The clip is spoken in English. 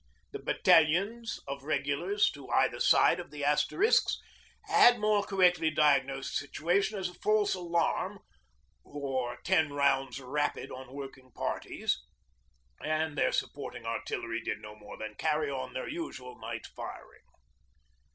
The battalions of Regulars to either side of the Asterisks had more correctly diagnosed the situation as 'false alarm' or 'ten rounds rapid on working parties,' and their supporting Artillery did no more than carry on their usual night firing.